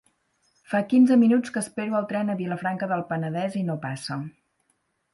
Fa quinze minuts que espero el tren a Vilafranca del Penedès i no passa.